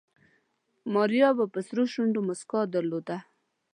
ماريا په سرو شونډو موسکا درلوده.